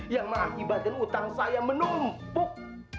yang mengakibatkan utang saya menumpuk